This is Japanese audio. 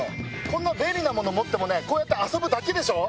こんな便利なもの持ってもねこうやって遊ぶだけでしょ？